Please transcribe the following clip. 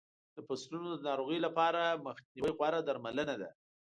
د فصلونو د ناروغیو لپاره مخنیوی غوره درملنه ده.